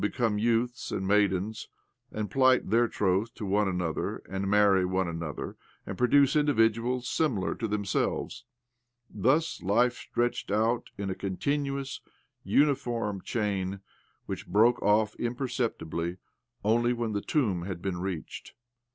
і2б OBLOMOV become youths and maidens, and plight their troth to one another, and marry one another^ and produce individuals similar to them selves. Thus life stretched out in a con tinuous, uniform chain which broke off imperceptibly only when the tomb had been reached.